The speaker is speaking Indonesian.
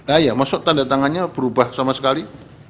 ah ya maksud tandatangannya berubah sama sekali